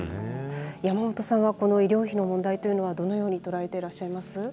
山本さんはこの医療費の問題というのは、どのように捉えてらっしゃいます？